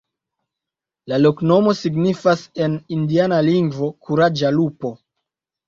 La loknomo signifas en indiana lingvo: kuraĝa lupo.